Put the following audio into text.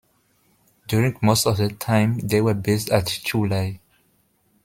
During most of their time they were based at Chu Lai.